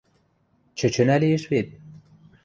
Чӹчӹнӓ лиэш вет...